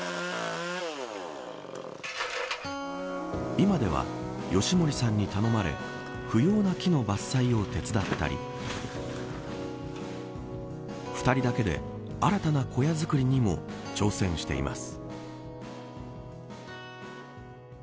今では義守さんに頼まれ不要な木の伐採を手伝ったり２人だけで新たな小屋作りにも挑戦しています。